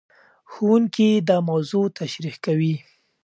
ښوونکي دا موضوع تشريح کوي.